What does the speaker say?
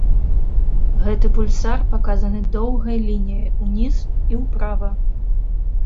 Гэты пульсар паказаны доўгай лініяй уніз і ўправа.